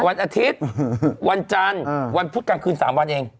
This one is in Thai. วันอาทิตย์วันจันทร์วันพุธกลางคืน๓วันเอง